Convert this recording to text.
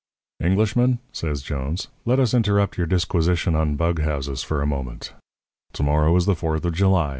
"'Englishman,' says Jones, 'let us interrupt your disquisition on bug houses for a moment. To morrow is the Fourth of July.